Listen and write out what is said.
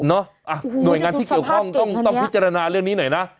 หน่วยงานที่เกี่ยวข้องต้องพิจารณาเรื่องนี้หน่อยนะ